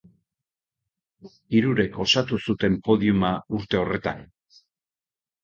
Hirurek osatu zuten podiuma urte horretan.